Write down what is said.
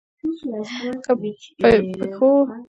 که پښویه یا ګرامر وي نو جوړښت نه ورانیږي.